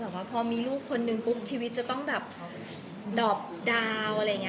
เพราะว่าพอมีลูกคนหนึ่งปุ๊บชีวิตจะต้องดอบดาว